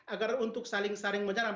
agar untuk saling saling menyerang